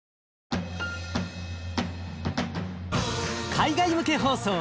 海外向け放送